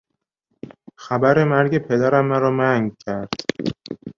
خبر مرگ پدرم مرا منگ کرد.